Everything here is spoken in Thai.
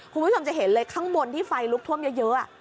คุณผู้ชมจะเห็นเลยข้างบนที่ไฟลุกท่วมเยอะ